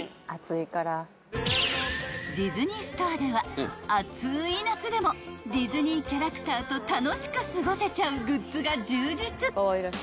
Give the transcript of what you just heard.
［ディズニーストアでは暑い夏でもディズニーキャラクターと楽しく過ごせちゃうグッズが充実］